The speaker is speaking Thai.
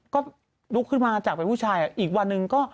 ก็ลุกขึ้นมาจากเป็นผู้ชายอีกวันหนึ่งก็